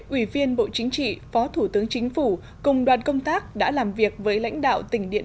ủy viên bộ chính trị phó thủ tướng chính phủ cùng đoàn công tác đã làm việc với lãnh đạo tỉnh điện